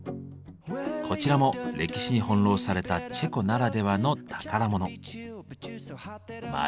こちらも歴史に翻弄されたチェコならではの宝物。